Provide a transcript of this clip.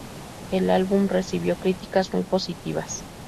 El álbum recibió críticas muy positivas.